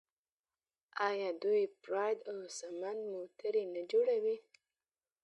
آیا دوی پراید او سمند موټرې نه جوړوي؟